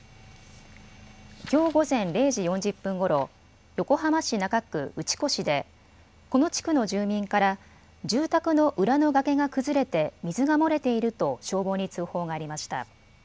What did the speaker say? きょう午前０時４０分ごろ横浜市中区打越でこの地区の住民から住宅の裏の崖が崩れて水が漏れていると消防に通報がありました。